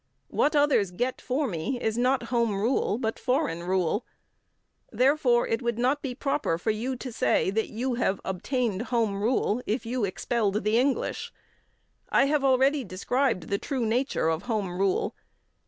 What others get for me is not Home Rule but foreign rule; therefore, it would not be proper for you to say that you have obtained Home Rule, if you expelled the English. I have already described the true nature of Home Rule.